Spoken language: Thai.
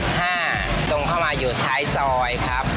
ตรงเข้ามาอยู่ท้ายซอยครับ